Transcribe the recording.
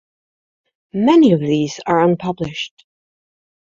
Many of these are unpublished.